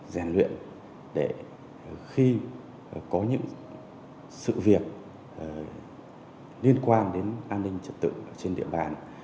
rèn luyện để khi có những sự việc liên quan đến an ninh trật tự trên địa bàn